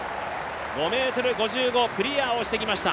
５ｍ５５クリアをしてきました。